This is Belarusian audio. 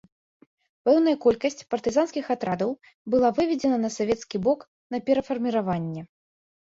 Пэўная колькасць партызанскіх атрадаў была выведзена на савецкі бок на перафарміраванне.